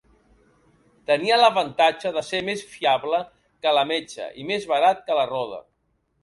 Tenia l'avantatge de ser més fiable que la metxa i més barat que la roda.